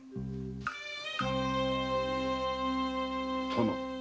殿。